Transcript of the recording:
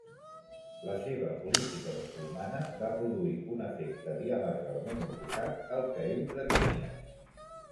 La seva política musulmana va produir un efecte diametralment oposat al que ell pretenia.